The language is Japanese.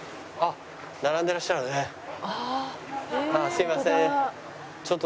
すいません。